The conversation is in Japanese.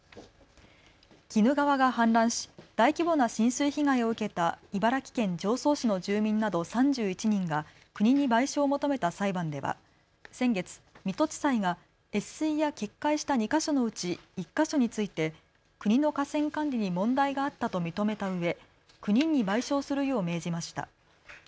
鬼怒川が氾濫し大規模な浸水被害を受けた茨城県常総市の住民など３１人が国に賠償を求めた裁判では先月、水戸地裁が越水や決壊した２か所のうち１か所について国の河川管理に問題があったと認めたうえ、国に賠償するよう命じました。